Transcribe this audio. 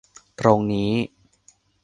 ตรงนี้